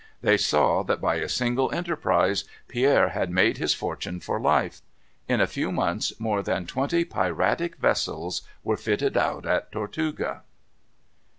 They saw that by a single enterprise, Pierre had made his fortune for life. In a few months, more than twenty piratic vessels were fitted out at Tortuga.